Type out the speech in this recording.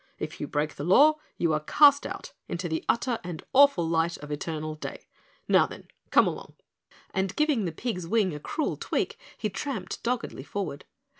If you break the law you are cast out into the utter and awful light of eternal day. Now, then, come along!" and giving the pig's wing a cruel tweak, he tramped doggedly forward.